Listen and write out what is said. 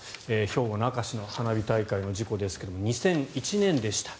兵庫の明石の花火大会の事故ですが２００１年でした